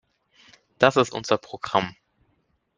Das ist unser Programm.